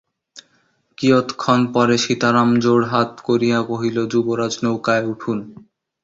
কিয়ৎক্ষণ পরে সীতারাম জোড়হাত করিয়া কহিল, যুবরাজ, নৌকায় উঠুন।